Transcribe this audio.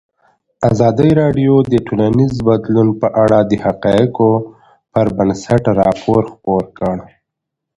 ازادي راډیو د ټولنیز بدلون په اړه د حقایقو پر بنسټ راپور خپور کړی.